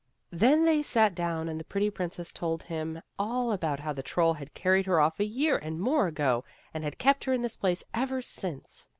Then they sat down and the pretty princess told him all about how the troll had carried her off a year and more ago, and had kept her in this place ever since.